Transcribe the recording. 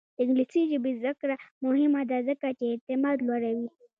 د انګلیسي ژبې زده کړه مهمه ده ځکه چې اعتماد لوړوي.